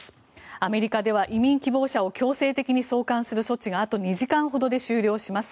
アメリカでは移民希望者を強制的に送還する措置があと２時間ほどで終了します。